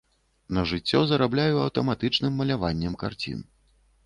На жыццё зарабляю аўтаматычным маляваннем карцін.